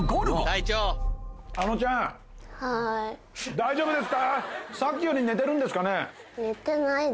大丈夫ですか？